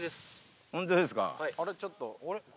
あれちょっと。